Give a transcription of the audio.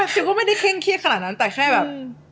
ซิลก็ไม่ได้เคร่งเครียดขนาดนั้นแต่แค่แบบ